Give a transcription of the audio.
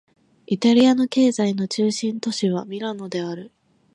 イタリアの経済の中心都市はミラノである